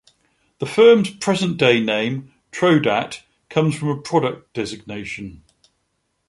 The firm's present-day name - Trodat - comes from a product designation.